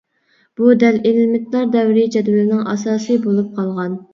بۇ دەل ئېلېمېنتلار دەۋرىي جەدۋىلىنىڭ ئاساسى بولۇپ قالغان.